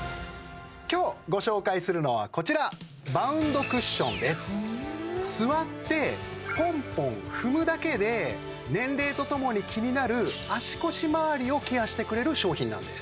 今日ご紹介するのはこちら座ってポンポン踏むだけで年齢とともに気になる足腰周りをケアしてくれる商品なんです